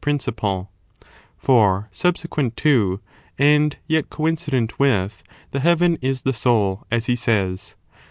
principle ; for subsequent to, and yet coincident with, the heaven is the soul, as he says.